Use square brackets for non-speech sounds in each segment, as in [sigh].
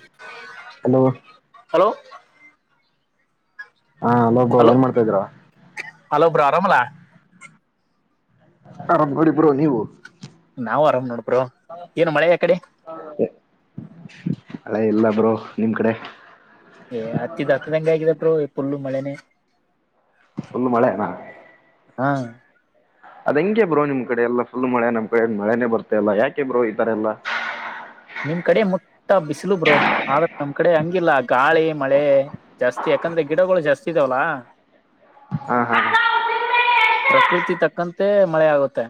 [unintelligible] Hello. Hello. ಹಾಅಲೋಕ್ hello ಏನ್ ಮಾಡ್ತಾ ಇದ್ದೀರಾ. ಹಲೋ ಬ್ರಾ ಅರಾಮ್ಲಾ. ಆರಾಮ್ ಗೌರಿ ಬ್ರೊ ನೀವು. ನಾವು ಆರಾಮ್ ನೋಡ್ ಬ್ರೋ ಏನ್ ಮಳೆ ಆ ಕಡೆ. ಮಳೆ ಇಲ್ಲ ಬ್ರೋ ನಿಮ್ ಕಡೆ ಏ ಹತ್ತಿದ್ ಹತ್ತದಂಗೆ ಆಗಿದಪ್ಪ ಪುಲ್ಲು ಮಳೆನೇ. ಪೂಲ್ ಮಳೆ ನಾ. ಹಾ. ಅದ ಹಂಗೆ ಬ್ರೋ ನಿಮ್ ಕಡೆ ಎಲ್ಲ ಪುಲ್ ಮಳೆ ನಮ್ಮ ಕಡೆ ಮಳೆನೆ ಬರ್ತ ಇಲ್ಲ ಯಾಕೆ ಬ್ರೋ ಈ ತರ ಎಲ್ಲ. ನಿಮ್ ಕಡೆ ಮುಟ್ಟ ಬಿಸಿಲು ಬ್ರೋ ಆದ್ರ ನಮ್ ಕಡೆ ಹಂಗಿಲ್ಲ ಗಾಳಿ ಮಳೆ. ಜಾಸ್ತಿ ಯಾಕಂದ್ರೆ ಗಿಡಗಳ್ ಜಾಸ್ತಿ ಇದಾವಲ್ಲಾ. ಹಾ ಹಾ ಪ್ರಕೃತಿ ತಕ್ಕಂತೆ ಮಳೆ ಆಗುತ್ತೆ.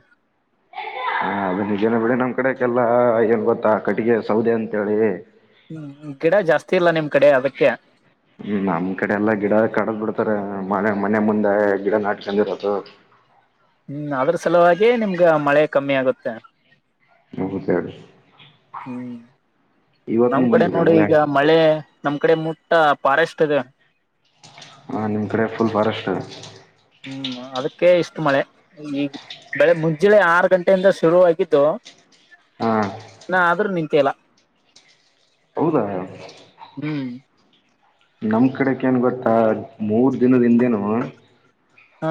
ಅ ನಿಜನ ಬಿಡಿ ನಮ್ ಕಡೆ ಕೆಲ್ಲಾ ಏನ್ ಗೊತ್ತಾ ಕಟ್ಟಿಗೆ ಸೌದೆ ಅಂತೇಳಿ. ಹ್ಮ್ ಗಿಡ ಜಾಸ್ತಿ ಇಲ್ಲಾ ನಿಮ್ ಕಡೆ ಅದಕ್ಕೆ. ಹ್ಮ್ ನಮ್ ಕಡೆ ಎಲ್ಲಾ ಗಿಡ ಕಡದ್ ಬಿಡ್ತಾರೆ ಮ ಮನೆ ಮುಂದೆ ಗಿಡ ನಾಟಕಂದಿರದು. ಹ್ಮ್ ಅದ್ರ ಸಲುವಾಗಿಯೇ ನಿಮ್ಗ ಮಳೆ ಕಮ್ಮಿ ಆಗುತ್ತೆ. [unintelligible] ಹ್ಮ್ ಇವತ್ತು ನಮ್ ಕಡೆ ಬಂದಿದೆ ನೋಡಿ ಈಗ ಮಳೆ ನಮ್ ಕಡೆ ಮುಟ್ಟ ಫಾರೆಸ್ಟ್ ಇದೆ. ಹಾ ನಿಮ್ಮ ಕಡೆ ಫುಲ್ ಫಾರೆಸ್ಟ್. ಹ್ಮ್ ಅದಕ್ಕೆ ಇಷ್ಟು ಮಳೆ ಈಗ. ಬೆಳಿಗ್ ಮುಂಜಳೆ ಆರು ಗಂಟೆಯಿಂದ ಶುರುವಾಗಿದ್ದು. ಹಾ ನಾ ಆದ್ರೂ ನಿಂತೇಲ್ಲ ಹೌದಾ ಹ್ಮ್ ನಮ್ ಕಡೆ ಕ ಏನ್ ಗೊತ್ತಾ ಮೂರ್ ದಿನದಿಂದೇನು ಹಾ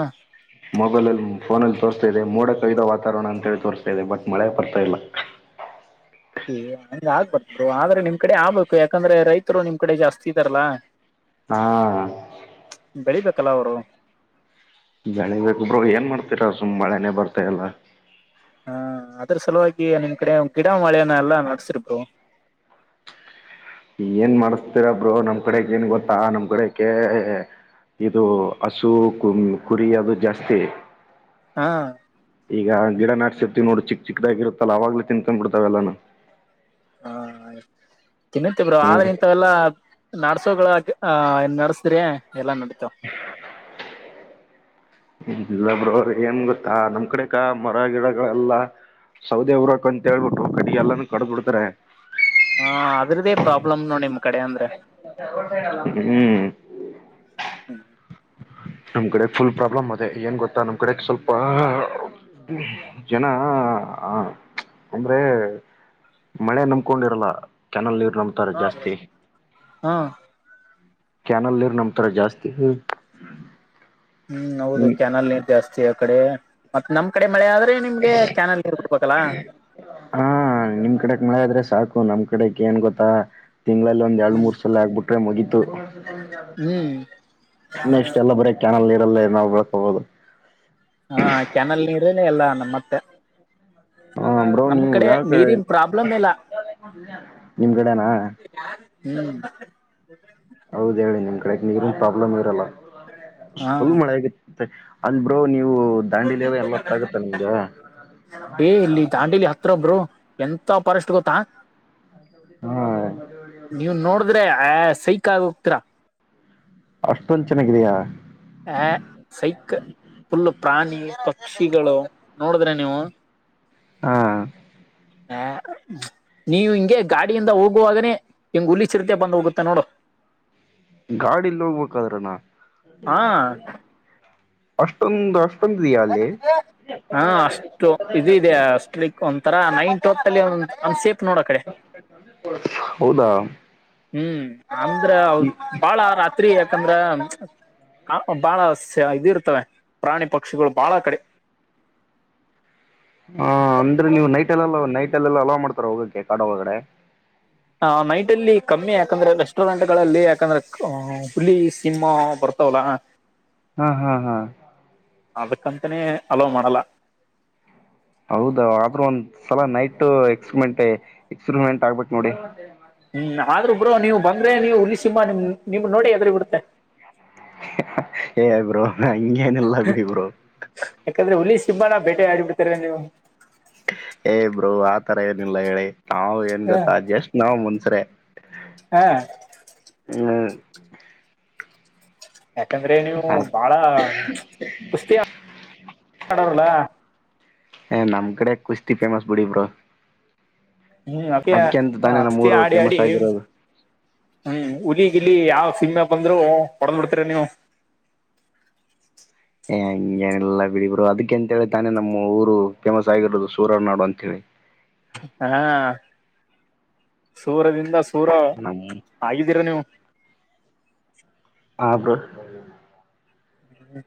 ಮೊಬೈಲ್ ಅಲ್ಲಿ ಫೋನಲ್ಲಿ ತೋರಿಸ್ತಾ ಇ ಮೋಡ ಕೈದ ವಾತಾವರಣ ಅಂತ ಹೇಳಿ ತೋರಿಸ್ತಾ ಇದೆ ಬಟ್ ಮಳೆ ಬರ್ತಾ ಇಲ್ಲ ಹ ಹ ಆಗ್ಬರ್ರು ಆದ್ರೆ ನಿಮ್ ಕಡೆ ಆಬೇಕು ಯಾಕಂದ್ರೆ ರೈತರು ನಿಮ್ ಕಡೆ ಜಾಸ್ತಿ ಇದಾರಲ್ಲಾ ಹಾ ಬೆಳಿಬೇಕಲ್ಲ ಅವರು ಬೆಳಿಗ್ ಬುಬ್್ರರು ಏನ್ ಮಾಡ್ತೀರ ಸುಮ್ ಮಳೆನೆೇ ಬರ್ತಾಯಲ್ಲ ಹಾ ಅದ್ರ ಸಲುವಾಗಿ ನಿಮ್ ಕಡೆ ಗಿಡ ಮಳೆಯನ್ನ ಎಲ್ಲಾ ನಡೆಸ್ತ್ರೀ ಬ್ರೋ ಏನ್ ಮಾಡಸ್ತೀರಬ್್ರರು ನಮ್ ಕಡೆಗ್ ಏನ್ ಗೊತ್ತಾ ನಮ್ ಕಡೆ ಇದು ಹಸು ಕು ಕುರಿ ಅದು ಜಾಸ್ತಿ ಹಾ ಈಗ ಗಿಡ ನಾಟಸಿರ್ತಿವಿ ನೋಡ್ ಚಿಕ್ ಚಿದಾಗಿರುತ್ತಲ್ಲ ಅವಾಗ್ಲ ತಿನ್ಕೊಂಡ್ ಬಿಡ್ಾವಲ್ಲಾ ಹಾ ತಿನ್ನುತ್ತೇ ಬ್ರೋ ಹ್ಮ್ ಆದ್ರೆ ಇಂತ ಎಲ್ಲ ನಡ್ಸೋಗಳ ಆ ನಡೆಸ್ರಿ ಎಲ್ಲಾ ನಡಿತಾವ್ ಇಲ್ಲ ಬ್ರೋ ಏನ್ ಗೊತ್ತಾ ನಮ್ ಕಡೆೇಕ ಮರ ಗಿಡಗಳೆಲ್ಲ ಸೌದೆೇ ಊರಕ ಅಂತೇಳ್ಬಿಟ್ಟು ಕಟ್ಟಿಗೆ ಎಲ್ಲಾನು ಕಡ್ದ್ಬ ಬಿಡ್ತಾರೆ ಹಾ ಅದ್ರದೇ ಪ್ರಾಬ್ಲಮ್ ನೋಡಿ ನಿಮ್ ಕಡೆ ಅಂದ್ರೆ ಹ್ಮ್ ಹ್ಮ ನಮ್ ಕಡೆ ಫುಲ್ ಪ್ರಾಬ್ಲಮ್ ಅದೇ ಏನ್ ಗೊತ್ತಾ ನಮ್ ಕಡೆ ಸ್ವಲ್ಪ ಜನ ಆ ಅಂದ್ರೆ ಮಳೆ ನಂಬಕೊಂಡಿರಲ್ಲ ಕೆನಾಲ್ ನೀರ್ ಹಾ ಬ್ರೋ ಜಾಸ್ತಿ ಹಾ ಕ್ಯಾನಲ್ ನೀರ್ ನಂಬ್ತಾರೆ ಜಾಸ್ತಿ ಹ್ಮ್ ಹೌದು ಕ್ಯಾನಲ್ ನೀರ್ ಜಾಸ್ತಿ ಆ ಕಡೆ ಮತ್ತ್ ನಮ್ ಕಡೆ ಮಳೆ ಆದ್ರೆ ನಿಮ್ಗೆ ಕ್ಯಾನಲ್ ನೀರ್ ಬಿಡಬೇಕಲ್ಲ ಹಾ ನಿಮ್ ಕಡೆಕ್ ಮಳೆ ಆದ್ರೆ ಸಾಕು ನಮ್ ಕಡೆಕ್ ಏನ್ ಗೊತ್ತಾ ತಿಂಗಳಲ್ಲಿ ಒಂದ್ ಎರಡ್ ಹ್ಮ್ ಮೂರ್ ಸಲ ಆಗ್ಬಿಟ್ರೆ ಮುಗೀತು ಹ್ಮ್ ನೆಕ್ಸ್ಟ್ ಎಲ್ಲ ಬರೀ ಕ್ಯಾನಲ್ ಇರಲ್ಲೇ ನಾವು ಬೆಳ್ಕೋಬಹುದು ಹಾ ಕ್ಯಾನಲ್ ನೀರೆ ಎಲ್ಲಾ ನಮ್ಮ ಮತ್ತೆ ಹ ಬ್ರೋ ನೀವು ಯಾಕ ನೀರಿನ್ ಪ್ರಾಬ್ಲಮ್ ಇಲ್ಲ ನಿಮ್ ಕಡೇನ ಹ್ಮ್ ಹೌದ ಹೇಳಿ ನಿಮ್ ಕಡೆ ನೀರಿನ್ ಪ್ರಾಬ್ಲಮ್ ಇರಲ್ಲ ಹ ಫುಲ್ ಮಳೆ ಆಗತ್ತೆ ಅಲ್ ಬ್ರೋ ನೀವು ದಾಂಡಿಲಿ ಎಲ್ಲ ಅತ್ರಾಗುತ್ತಾ ನಿಮ್ಗ ಏ್ ಇಲ್ಲಿ ದಾಂಡಿಲಿ ಹತ್ರ ಬ್ರೋ ಎಂತ ಫಾರೆಸ್ಟ್ ಗೊತ್ತಾ ಹಾ ನೀವ್ ನೋಡಿದ್ರೆ ಆ ಸೈಕ್ ಆಗಿ ಹೋಗ್ತೀರಾ ಅಷ್ಟೊಂದ್ ಚೆನ್ನಾಗಿಧ್ಯ ಆ ಸೈಕ್ ಫುಲ್ ಪ್ರಾಣಿ ಪಕ್ಷಿಗಳು ನೋಡಿದ್ರೆ ನೀವು ಹಾ ಹಾ ನೀವು ಹಿಂಗೆ ಗಾಡಿಯಿಂದ ಹೋಗುವಾಗನೆ ಇಂಗ್ ಹುಲಿ ಚಿರತೆ ಬಂದ್ ಹೋಗುತ್ತೆ ನೋಡು ಗಾಡಿಲ್ಲಿ ಹೋಗ್ಬೇಕಾದ್ರನಾ ಹಾ ಅಷ್ಟೊಂದ ಅಷ್ಟ ಪಂದ್ರ ಆ [unintelligible] ಲೈಕ್ ಒಂಥರ ನೈಟ್ ಹೊತ್ತಲ್ಲಿ ಒ ಅನ್ಸೇಫ್ ನೋಡ ಅ ಕಡೆ ಹೌದಾ ಹ್ಮ್ ಅಂದ್ರ ಅವ ಬಾಳ ರಾತ್ ತ್ರಿ ಯಾಕಂದ್ರ ಬಹಳ ಇದ ಇರ್ತವೆ ಪ್ರಾಣಿ ಪಕ್ಷಿಗಳು ಬಾಳ ಕಡೆ ಹ ಅಂದ್ರೆ ನೀವು ನೈಟ್ಲ್ಲೆಲ್ಲ ನೈಟ್ ಅಲ್ಲೆಲ್ಲ ಅಲಾವ್ ಮಾಡ್ತಾರ ಹೋಗೋಕ್ಕೆ ಕಾಡ ಒಳಗಡೆ ಹ ನೈಟ್ ಅಲ್ಲಿ ಕಮ್ಮಿ ಯಾಕಂದ್ರೆ ರೆಸ್ಟೋರೆಂಟ್ ಗಳಲ್ಲಿ ಯಾಕಂದ್ರೆ ಅ ಹುಲಿ ಸಿಂಹ ಬರ್ತವಲ್ಲಾ ಹಾ ಹಾ ಹಾ ಅದಕ್ಕಂತನೇ ಹಲೋ್ ಮಾಡಲ್ಲ ಹೌದ ಆದ್ರೂ ಒಂದ್ ಸಲ ನೈಟ್ ಎಕ್ಸ್ಪಿರಿಮೆಂಟ್ ಎಕ್ಸ್ಪಿರಿಮೆಂಟ್ ಆಗ್ಬೇಕು ನೋಡಿ ಹ್ಮ್ ಆದ್ರೂಬ್್ರೋ ನೀವು್ ಬಂದ್ರೆ ನೀವು ಹುಲಿ ಸಿಂಹ ನಿಮ್ ನಿಮ್ ನೋಡಿ ಹೆದ್ರುಬಿಡುತ್ತೆ ಏಯ್ ಬ್ರೋ ನ ಅಂಗೇನಿಲ್ಲ ಬಿಡಿ ಬ್ರೋ ಯಾಕಂದ್ರೆ ಹುಲಿ್ ಸಿಂಹ ನೆ ಬೇಟೆ ಆಡಿಬಿಡ್ತಾರೆ ನೀವು ಏ ಬ್ರೋ ಆತರ ಏನಿಲ್ಲ ಹೇಳಿ ನಾವ್ ಏನ್ ಹ ಗೊತ್ತಾ ಜಸ್ಟ್ ನಾವ್ ಮನ್ಸ್ರೆ ಹಾ ಈ ಹ ಯಾಕಂದ್ರೆ ನೀವು ಬಾಳ ಕುಸ್ತಿಾರಲ್ಲ ಏ ನಮ್ಮ್ಡೆ ಕುಸ್ತಿ ೇಮಸ್ ಬಿಡಿ ಬ್ರರು ಹ್ಮ್ ಅಕೆ ಅಂತ ತಾನೇ ನಮ್ಮ ಅತಿ ಊರು ಆಡಿ ಫೇಮಸ್ ಆಡಿ ಆಗಿರೋದು ಹ್ಮ್ ಹಲಿಗ್ ಇಲ್ಲಿ ಯಾವ್ ಸಿಮ್ಮೆ ಬಂದ್ರು ಹೊಡಂದ್ ಬಿಡ್ತೀರ ನೀವು ಏ ಹಂಗೇನೆಲ್ಲಾ ಬಿಡಿ ಬರು ಅದಕ್ಕೆಂತೇಳಿ ತಾನೇ ನಮ್ಮ ಊರು ಫೇಮಸ್ ಆಗಿರೋದು ಸೂರ ನಾಡು ಅಂತ ಹೇಳಿ ಹಾ ಸೂರದಿಂದ ಸೂರ ನಮ್ ಆಗಿದ್ದೀರಾ ನೀವು ಹಾ ಬ್ರೋ ಹ್ಮ್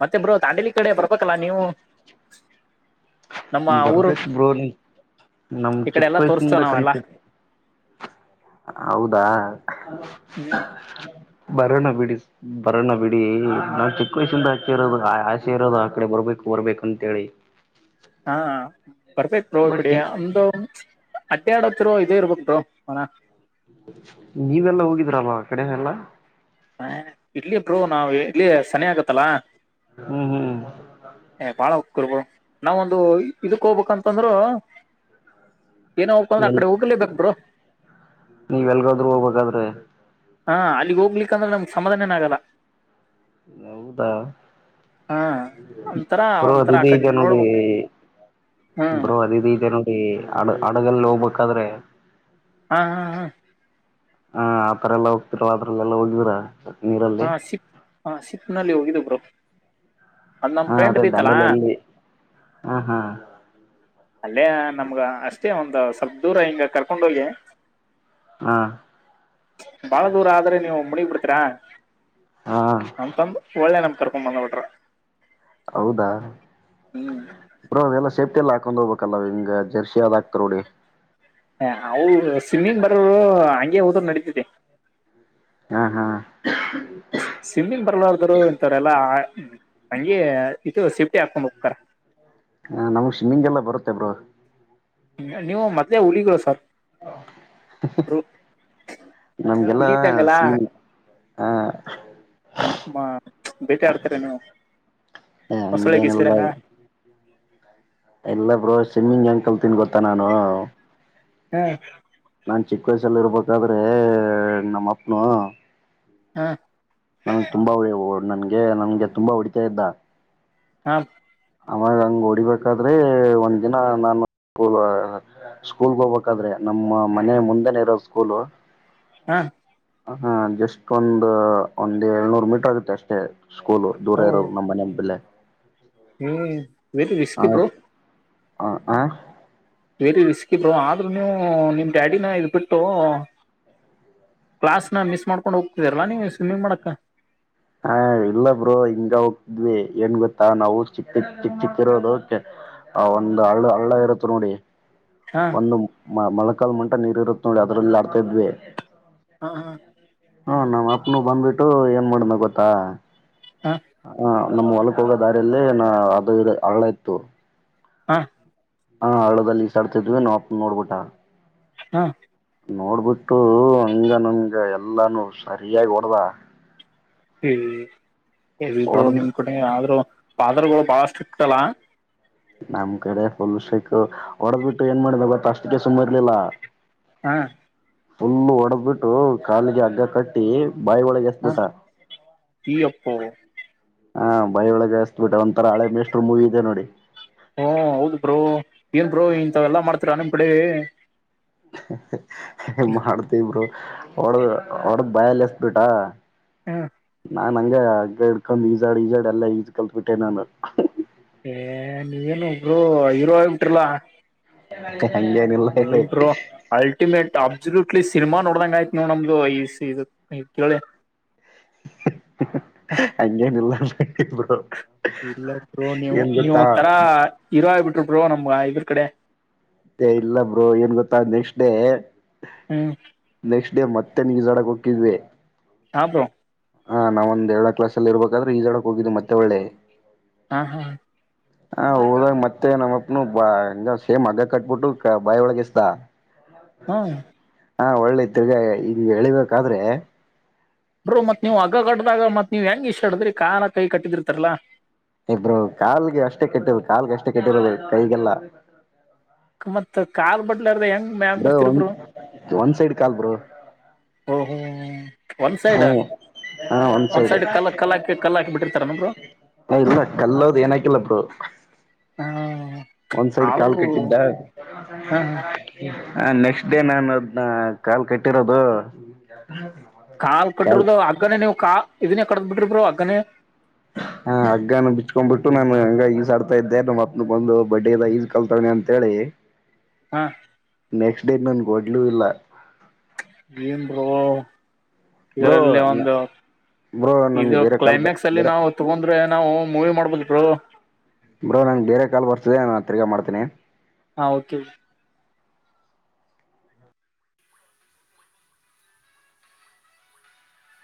ಮತ್ತೆಬ್ರು ದಂಡಲಿ ಕಡೆ ಬರ್ಬೇಕಲ್ಲ ನೀವು ನಮ್ಮ ಊರು ಬರ್ಬೇಕ್ ಬ್ರೋ ನೀ ನಮ್ ಈ ಕಡೆ ಚಿಕ್ಕ ಎಲ್ಲಾ ತೋರ್ಸ್ತೇ ವಯಸ್ಸಿಂದ ನಾವೆಲ್ಲಾ ಕನ್ಸು ಹೌದಾ ಹ್ಮ್ ಬರೋ ನ ಬಿೀಡಿಸ್ ಬರೋಣ ಬಿಡಿ ನಾವು ಚಿಕ್ಕ ವಯಸ್ಸಿಂದ ಆಚೆ ಇರೋದು ಆಸೆ ಇರೋದು ಆ ಕಡೆ ಬರ್ಬೇಕು ಬರ್ಬೇಕ ಅಂತೇಳಿ [inaudible] ಹಾ ಬರ್ತೇಕ್ ಪ್ರೋ ಬಟ್ ಕಡಿ ಏನ್ ಒಮಂದು ಅಡ್ಡ ಆಡತ್ತಿರ ಇದೇ ಇರ್ಬೇಕರು ಮನ ನೀವೆಲ್ಲಾ ಹೋಗಿದ್ರ ಬ ಕಡೆ ಎಲ್ಲ ಹ ಇಡ್ಲಿ ಬರು ನಾವ್ ಇಡ್ಲಿ ಸನಿ ಆಗತ್ತಲ್ಲಾ ಹ್ಮ್ ಹ್ಮ್ ಹ ಬಾಳಕ್ಕಬ ನಾವ ಒಂದು ಇದಕ್ ಹೋಗ್ಬೇಕಂತಂದ್ರು ಏನ ಹೋಗ್ಬೇಕ ಅಂದ್ರ ಎಲ್ ಆಕಡೆ ಹೋಗಲೇಬೇಕಕ್ ಬರು ನೀವ್ ಎಲ್ಗೋದ್ರೂ ಹೋಗ್ಬೇಕಾದ್ರೆ ಹಾ ಅಲ್ಲಿಗ್ೋಗ್ಲಿ ಅಂದ್ರೆ ನಮ್ಗ್ ಸಮಾಧಾನನ ಆಗಲ್ಲ ಹೌದಾ ಹಾ ಒಂಥರ ಪರ್ವತ್ ಒಂಥರ ಇ ಆಕಡೆ ಈಗ ನೋಡಿ ನೋಡ್ಬೇಕು ಹ್ಮ್ ಬ್ರೋ ಅದ ಇದ ಇದೆ ನೋಡಿ ಅಡ ಹಡಗಲ್ಲಿ ಹೋಗ್ಬೇಕಾದ್ರೆ ಹಾ ಹಾ ಹಾ ಹಾ ಆತರ ಎಲ್ಲ ಹೋಗ್ತಿರವ ಅದ್ರಲ್ಲೆಲ್ಲಾ ಹೋಗಿದೀರಾ ನೀರ ಹಾ ಸಿಪ್ ಹ ಸಿಪ್ ನಲ್ಲಿ ಹೋಗಿದುಬ್ರು ಅದ್ ನಮ್ ಫ್ರೆಂಡ್ ಬೀತ್ತಲಾ ಹ್ಮ ಹ್ಮ ಅಲ್ಲೇ ನಮ್ಗ ಅಷ್ಟೇ ಒಂದ್ ಸ್ವಲ್ ದೂರ ಹಿಂಗ ಕರ್ಕೊಂಡೋಗಿ ಹ್ಮ ಬಾಳ ದೂರ ಆದ್ರೆ ನೀವು ಮುಡಿ ಬಿಡ್ತೀರಾ ಹಾ ಅಂತಂದ ಒಳ್ಳೆ ನಮ್ ಕರ್ಕೊಂಡ್ ಬಂದ್ ಬಿಟ್ರ ಹೌದಾ ಹ್ಮ್ ಬ್ರೋ ಎಲ್ಲ ಸೇಫ್ಟಿ ಎಲ್ಲ ಹಾಕೊಂಡ್ ಹೋಗ್ಬೇಕಲ್ಲವ ಹಿಂಗ ಜರ್ಸಿ ಅದ್ ಆಕ್ತಾರ ನೋಡಿ ಹ ಅವರು ಸ್ವಿಮ್ಮಿಂಗ್ ಬರೋರು ಹಂಗೆ ಹೋದರು ನಡೀತಿದೆ ಹ್ಮ ಹಾ ಸಿಮ್ಮಿ ಬರ್ಲಾರ್ದರು ಇಂತವ್ರ ಎಲ್ಲ ಹಂಗಗೆ ಇದು ಸಿಫ್ಟಿ ಹಾಕೊಂಡ್ ಹೋಗತಾರ ಹಾ ನಮಗ್ ಶಿಮಿಂಗಗೆಲ್ಲ ಬರುತ್ತೆ ಬ್ರೋ ನೀವು ಮೊದ್ಲೇ ಹುಲಿಗಳು ಸರ್ ನಮ್ಗೆಲ್ಲಾ ಹುಲಿ ಇದ್ದಂಗೆಲ್ಲ ಸಿ ಹಾ ಭೇಟಿ ಆಡ್ತರ ನೀ ಮೊಸಳೆ ಹಂಗೇನೆಲ್ಲ ಗಿಸಲೆನಾ ಎಲ್ಲ ಬ್ರೋ ಸ್ಮ್ಮಿಂಗ್ ಅಂಕಲ್ ತಿನ್ ಗೊತ್ತಾ ನಾನು ಹ್ಮ್ ನಾನ್ ಚಿಕ್ಕ ವಯಸ್ಸಲ್ಲಿ ಇರ್ಬೇಕಾದ್ರೆ ನಮ್ಮ ಅಪ್ಪನು ಹಾ ನನ್ಗೆ ತುಂಬಾ ಒ ನನ್ಗೆ ನನ್ಗೆ ತುಂಬಾ ಹೊಡಿತಾಯ ಇದ್ದ ಹಾ ಆಮಾಗ ಹಂಗ ಹೊಡಿಬೇಕಾದ್ರೆ ಒಂದ್ ದಿನ ನಾನುಲ್ [unintelligible] ಸ್ಕೂಲ್ ಹೋಗ್ಬೇಕಾದ್ರೆ ನಮ್ಮ ಮನೆ ಮುಂದೆನೆ ಇರೋದು ಸ್ಕೂಲ್ ಹಾ ಹಾ ಜಸ್ಟ್ ಒಂದು ಒಂದ್ ಏಳ್ನೂರು ಮೀಟರ್ ಆಗುತ್ತೆ ಅಷ್ಟೇ ಸ್ಕೂಲು ದೂರ ಇರೋದು ನಮ್ಮ್ ಮನೆ ಬೆೇಲೆ ಹ್ಮ್ [inaudible] ಹ ಹ ಹಾ ವೆರಿ ರಿಸ್ಕಿ ಬ್ರೋ ಆದ್ರೂ ನೀವು ನಿಮ್ ಡ್ಯಾಡಿನ ಇದ್ ಬಿಟ್ಟು ಕ್ಲಾಸ್ ನ ಮಿಸ್ ಮಾಡ್ಕೊಂಡು ಹೋಗ್ತಿದಾರಾ ನೀವುವಸ್ವಿಮ್ಮಿಂಗ್ ಮಾಡಕ್ ಹ ಇಲ್ಲ ಬ್ರೋ ಹಿಂಗ ಹೋಗ್ದ್ವಿ ಏನ್ ಗೊತ್ತಾ ನಾವು ಚಿಕ್ಕ ಚಿಕ್ ಚಿಕ್ಕ ಚಿಕ್ಕಿರೋದು ಆ ಒಂದು ಹಳ್ಳ ಹಳ್ಳ ಇರುತ್ತೆ ನೋಡಿ ಹಾ ಮೊನ್ನಕಾಲ್ ಮಟ ನೀರ್ ಇರುತ್ತತ್ ನೋಡಿ ಅದ್ರಲ್ಲಿ ಆಡ್ತಾ ಇದ್ವಿ ಹಾ ಹಾ [inaudible] ಹಾ ನಮ್ಮ್ ಅಪ್ಪನು ಬಂದ್ಬಿಟ್ಟು ಏನ್ ಮಾಡಿದ ಗೊತ್ತಾ ಹಾ ಹ ನಮ ಹೊಲಕ್ ಹೋಗೋ ದಾರಿಯಲ್ಲಿ ನ ಅದು ಇ ಅಳ ಇತ್ತು ಹಾಂ ಹಾ ಹಳ್ಳದಲ್ಲಿ ಇಜ್ಜಡ್ತಿದ್ವಿ ನಮ್ ಅಪ್ಪ ನೋಡ್ಬಿಟಾ ಹಾ ನೋಡ್ಬಿಟ್ಟು ಹಂಗ ನನ್ಗ ಎಲ್ಲಾನು ಸರಿಯಾಗಿ ಹೊಡ್ದ ಈವಿ ಹೊಡ್ದ್ ನಿಮ್ ಕಡೆ ಆದ್ರರು ಪಾದರ್ಗಳು ಬಹಳಷ್ಟಿಕ್ತಲ್ಲ ನಮ್ ಕಡೆ ಫುಲ್ ಶೇಕ್ ಹೊಡೆದ್ಬಿಟ್ಟು ಏನ್ ಮಾಡಿದ ಗತ್ತ ಅಷ್ಟಕ್ಕೆ ಸುಮ್ ಇರ್ಲಿಲ್ಲ ಹಾ ಫೂಲ್ ಒಡೆದ್ ಬಿಟ್ಟು ಕಾಲಿಗೆ ಹಗ್ಗ ಕಟ್ಟಿ ಬಾಯಿ ಒಳಗೆ ಹಾ ಎಸ್ಬಿಟ್ಟ ಈ ಅಪ್ಪ ಹಾ್ ಬೈ ಒಳಗೆ ಎಸ್ಬಿಟ್ಟೆ ಒಂತರ ಹಳೆ ಮೇಸ್ರ್ ಮೂವಿ ಇದೆ ನೋಡಿ ಹ ಹೌದು ಬ್ರೋ ಏನ್ ಬೋ ಇಂಥವ ಎಲ್ಲಾ ಮಾಡ್ತರಿ ನಿಮ್ ಕಡೆ ಮಾಡ್ತವಿ ಬ್ರೋ ವಡ್ದ ವಡ್ದ್ ಬಯಲ್ಲ ಎಸ್ ಬಿಟ ಹಾ ನಾನ್ ಹಂಗ ಅಗ್ಗ ಇಡ್ಕೊಂಡ್ ಈಜಾಡ್ ಈಜಾಡ್ ಎಲ್ಲ ಈಜ್ ಕಲ್ತ್ ಬಿಟ್ಟೆ ನಾನು ಏ ನೀವೇನು ಇಬ್ರು ಹೀರೋ ಆಗ್ಬಿಟ್ರಲಾ ಹ [inaudible] ಈಏ ಬ್ರ [unintelligible] ಅಲ್ಟಿಮೇಟ್ ಅಬ್ಸುಲೂಟ್ಲಿ ಸಿನಿಮಾ ನೋಡ್ದಂಗ ಆಯ್ತು ನೀವು ನಮ್ದು ಈ ಕೇಳಿ ಹಂಗೇನಿಲ್ಲಲ್ ಇದಿದ್ರು [inaudible] ಇಲ್ಲಬರು ನೀವು ನೀವು ಗೊತ್ತಾ ಒಂತರ ಹೀರೋ ಹಾಗ್ಬಿಟ್ರಿ ಬ್ರೋ ನಮ್ಗ ಇದ್ರ ಕಡೆ ಮತ್ತೆ ಇಲ್ಲ ಬ್ರೋ ಏನ್ ಗೊತ್ತಾ ನೆಕ್ಸ್ಟ್ ಡೇ ಹ್ಮ್ ನೆಕ್ಸ್ಟ್ ಡೇ ಮತ್ತೆ ನೀ ಈಜಾಡಕ್ ಹೋಗಿದ್ವಿ ಹಾ ಬ್ರೋ ಹಾ ನಾವೊಂದ ಎಳನೇ ಕ್ಲಾಸ್ ಲ್ಲಿಯೇ ಇರ್ಬೇಕಾದ್ರೆ ಈಜಾಡಕ್ ಹೋಗಿದ್ದ್ ಮತ್ತೆಳ್ಳೆ ಹಾ ಹಾ ಹ ಹೋದಾಗ ಮತ್ತೆ ನಮ್ಮಪ್ಪನು ಹಂಗ ಸೇಮ್ ಹಗ್ಗ ಕಟ್ಬಿಟ್ಟು ಬಾಯಿ ಒಳಗೇಸದಾ ಹಾ ಹಾ ಒಳ್ಳೇ ತಿರ್ಗಾ ಈ ಎಳಿಬೇಕಾದ್ರೆ ಮತ್ ನೀವು ಹಗ್ಗಾ ಕಡ್ದಾಗ ಮತ್ ನೀವ್ ಹೆಂಗ ಈಶ್ಯಾಡ್ತೀರಿ ಕಾಲ್ ಕೈ ಕಟ್ಟಿದಿರ್ತಾರಲ್ಲಾ ಇಬ್ರು ಕಾಲ್ಗೆ ಅಷ್ಟೇ ಕೆಟ್ಟಿರದು ಕಾಲ್ಗೆ ಅಷ್ಟೇ ಕೆಟ್ಟಿರೋದು ಕೈಗೀಲ್ಲಾ ಮತ್ ಕಾಲ್ ಬಟ್ಲಾರದ ಹೆಂಗ್ ಮ್ಯಾಲ ಬರ್ತಿರ ಬ್ರೋ ಒಂದ್ ಒಂದ್ ಸೈಡ್ ಕಾಲ್ ಬ್ರೋ ಓ ಹೋ ಒಂದ್ ಸೈಡ್ ಹ್ಮ ಒಂದ್ ಸೈಡ್ ಕಲ್ಲ ಕಲ್ಲ ಹಾಕಿ ಕಲ್ಲ ಹಾಕಿ ಬಿಟ್ಟಿರ್ತಾರ ನ ಬ್ರೋ ಇಲ್ಲ ಕಲ್ಲೋದ ಏನಕಿಲ್ಲ ಬ್ರೋ. ಹ್ಮ ಒಂದ್ ಸೈಡ್ ಕಾಲ ಕಟ್ಟಿದ್ದ. ಹಾ ಹಾ ಹ ನೆಕ್ಸ್ಟ್ ಡೇ ನಾನು ಅದನ್ನ ಕಾಲ ಕಟ್ಟಿರೋದು. ಏ. ಕಾಲ ಕಟ್ಟ್ರದು ಹಗ್ಗನೇ ನೀವು ಕಾಲ ಇದನ್ನೇ ಕಡದ ಬಿಟ್ರಿ ಬ್ರೋ ಹಗ್ಗನೇ. ಹಾ ಹಗ್ಗಾನ ಬಿಚ್ಕೊಂಡ್ಬ ಬಿಟ್ಟು ನಾನು ಹಂಗ ಈಸ ಆಡ್ತಾದೆ. ನಮ್ಮ ಅಪ್ಪ ನು ಬಂದು ಬಡ್ಡದ. ಕಲ್ಲು ತೆಗೆದಿ ಅಂತ ಹೇಳಿ. ಹಾ ನೆಕ್ಸ್ಟ್ ಡೇ ನಾ ಓಡ್ಲು ಇಲ್ಲ. ಏನ ಬ್ರೋ. ಬ್ರೋ ಇದರಲ್ಲಿ ಒಂದು ಬ್ರೋ ನನ್ಗೆ ಇದು ಬೇರೆ ಕಾಲ್ ಕ್ಲೈಮ್ಯಾಕ್ಸ್ ಅಲ್ಲಿ ಬೇರೆ ನಾವು ತಗೋಂದ್ರೆ ನಾವು ಮೂವಿ ಮಾಡ್ಬೋದಿ ಬ್ರೋ ಬ್ರೋ ನಂಗೆ ಬೇರೆ ಕಾಲ ಬರ್ತದೆ ನಾನು ತಿರ್ಗಾ ಮಾಡ್ತನಿ. ಹಾ ಓಕೆ.